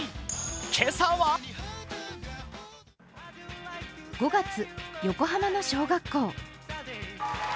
今朝は５月、横浜の小学校。